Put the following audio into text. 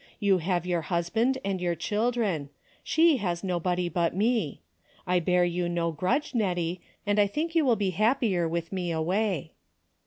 You have your husband and your children. She has nobody but me. I bear you no grudge, Nettie, and I think you will be happier with me away."